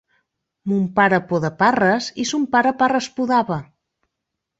Mon pare poda parres i son pare parres podava;